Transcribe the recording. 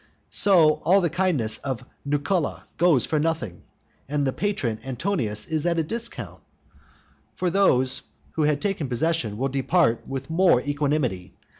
So all the kindness of Nucula goes for nothing, and the patron Antonius is at a discount. For those who had taken possession will depart with more equanimity.